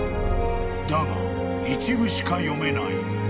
［だが一部しか読めない。